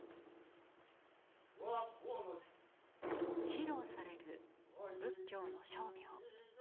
披露される仏教の声明。